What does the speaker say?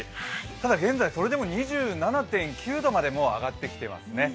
ただ現在それでも２７．９度まで上がってきていますね。